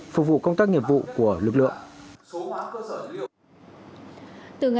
phục vụ công tác nhiệm vụ của lực lượng